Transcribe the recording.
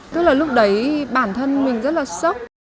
tức là lúc đấy bản thân mình rất là sốc